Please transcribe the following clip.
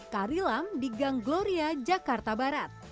kari lam di gang gloria jakarta barat